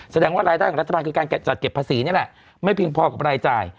แสดงว่ารายได้ของรัฐบาลคือการจัดเก็บภาษีนี่แหละไม่เพียงพอกับรายจ่าย